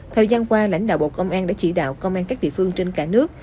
thời gian qua lãnh đạo bộ công an đã chỉ đạo công an các địa phương trên cả nước